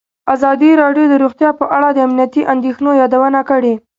ازادي راډیو د روغتیا په اړه د امنیتي اندېښنو یادونه کړې.